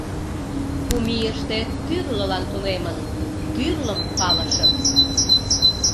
Кум ийыште, тӱрлылан тунемын, тӱрлым палышым...